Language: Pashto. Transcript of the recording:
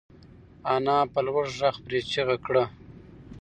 انا په لوړ غږ پرې چیغه کړه.